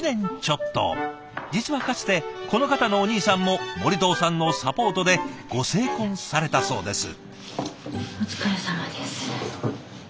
実はかつてこの方のお兄さんも森藤さんのサポートでご成婚されたそうです。